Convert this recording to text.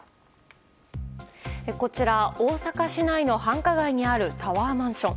こちら、大阪市内の繁華街にあるタワーマンション。